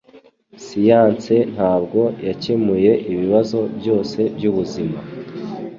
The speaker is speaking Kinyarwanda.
Siyanse ntabwo yakemuye ibibazo byose byubuzima